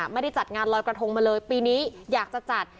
ไม่ได้จัดงานลอยกระทงมาเลยปีนี้อยากจะจัด